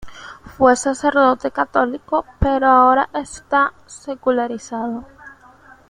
Fue sacerdote católico, pero ahora está secularizado.